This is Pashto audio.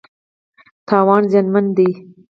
تاوان زیانمن دی.